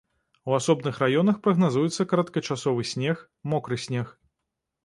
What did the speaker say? У асобных раёнах прагназуецца кароткачасовы снег, мокры снег.